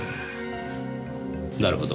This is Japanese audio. なるほど。